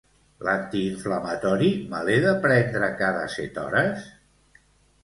L'antiinflamatori, me l'he de prendre cada set hores?